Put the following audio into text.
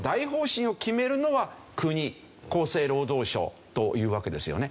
厚生労働省というわけですよね。